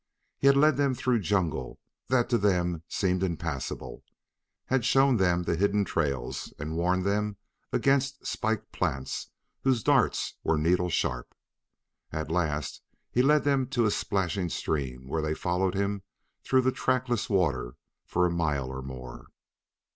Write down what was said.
He had led them through jungle that to them seemed impassable; had shown them the hidden trails and warned them against spiked plants whose darts were needle sharp. At last he led them to a splashing stream where they followed him through the trackless water for a mile or more.